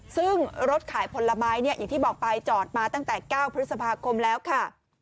ซึ่งรถขายผลไม้เนี่ยอย่างที่บอกไปจอดมาตั้งแต่๙พฤษภาคมแล้วค่ะ